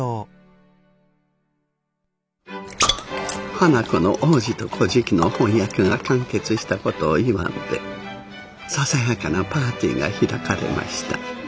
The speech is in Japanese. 花子の「王子と乞食」の翻訳が完結した事を祝ってささやかなパーティーが開かれました。